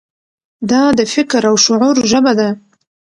دا د فکر او شعور ژبه ده.